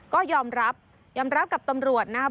ก็ยอมรับกับตำรวจนะครับ